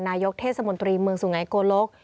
นายกเทศมนตรีเมืองสุไงโกลก